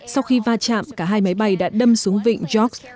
sau khi va chạm cả hai máy bay đã đâm xuống vịnh york